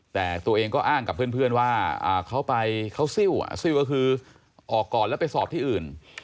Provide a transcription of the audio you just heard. แต่ตัวเองก็อ้างกับเพื่อนว่าเขาไปเขาซิ้วซิลก็คือออกก่อนแล้วไปสอบที่อื่น